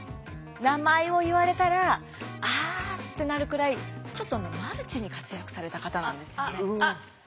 名前を言われたら「ああ」ってなるくらいちょっとねマルチに活躍された方なんですよね。